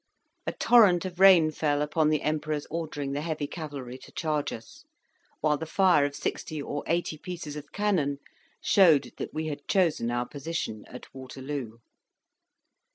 A torrent of rain fell, upon the Emperor's ordering the heavy cavalry to charge us; while the fire of sixty or eighty pieces of cannon showed that we had chosen our position at Waterloo.